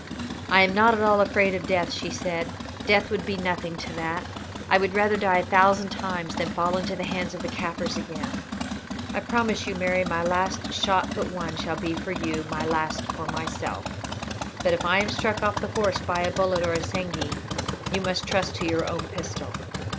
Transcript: "I am not at all afraid of death," she said; "death would be nothing to that. I would rather die a thousand times than fall into the hands of the Kaffirs again." "I promise you, Mary, my last shot but one shall be for you, my last for myself; but if I am struck off the horse by a bullet or assegai you must trust to your own pistol."